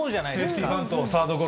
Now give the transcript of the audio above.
セーフティバント、サードゴロ。